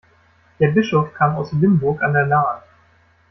Der Bischof kam aus Limburg an der Lahn.